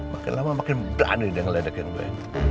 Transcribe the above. makin lama makin berani dia ngeledekin brand